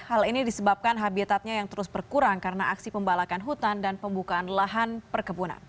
hal ini disebabkan habitatnya yang terus berkurang karena aksi pembalakan hutan dan pembukaan lahan perkebunan